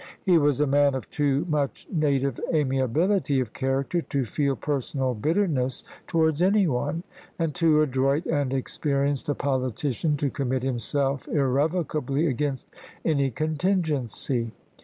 He was a man of too much native amiability of character to feel personal bitterness towards any one, and too adroit and experienced a politician to commit himself irrevocably against any contingency.